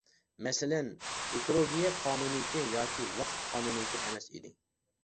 مەسىلەن، ئېكولوگىيە قانۇنىيىتى ياكى ۋاقىت قانۇنىيىتى ئەمەس ئىدى.